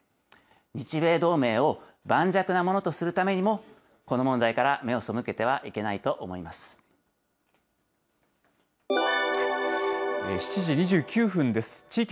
日米同盟を盤石なものとするためにも、この問題から目をそむけて７時２９分です。